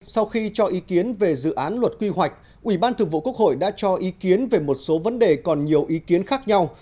sau khi cho ý kiến về dự án luật quy hoạch ủy ban thường vụ quốc hội đã cho ý kiến về một số vấn đề còn nhiều ý kiến khác nhau